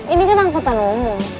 ini kan angkutan umum